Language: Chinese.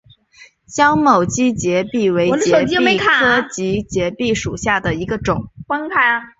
江某畸节蜱为节蜱科畸节蜱属下的一个种。